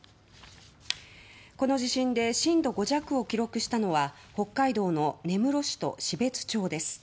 この地震で震度５弱を記録したのは北海道の根室市と標津町です。